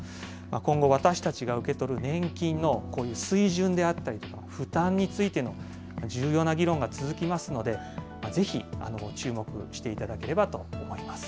今後、私たちが受け取る年金のこういう水準であったりとか、負担についての重要な議論が続きますので、ぜひ注目していただければと思います。